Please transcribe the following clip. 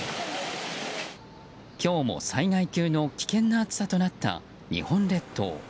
今日も災害級の危険な暑さとなった日本列島。